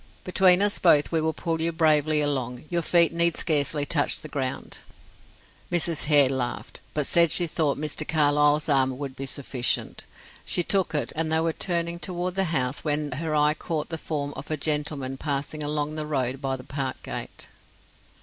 "Between us both we will pull you bravely along; your feet need scarcely touch the ground." Mrs. Hare laughed, but said she thought Mr. Carlyle's arm would be sufficient. She took it, and they were turning toward the house, when her eye caught the form of a gentleman passing along the road by the park gate.